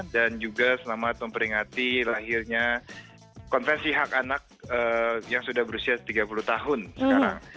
dan juga selamat memperingati lahirnya konvensi hak anak yang sudah berusia tiga puluh tahun sekarang